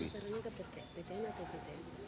bisa ptn atau pts